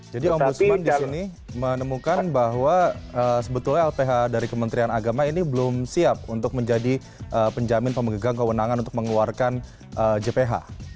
jadi om husman disini menemukan bahwa sebetulnya lph dari kementerian agama ini belum siap untuk menjadi penjamin pemegang kewenangan untuk mengeluarkan jph